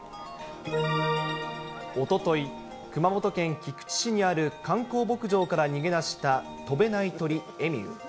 おととい、熊本県菊池市にある観光牧場から逃げ出した飛べない鳥、エミュー。